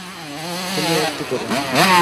তিনি এই উক্তি করেন।